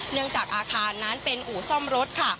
เนื่องจากอาคารนั้นเป็นอู่ซ่อมรถค่ะ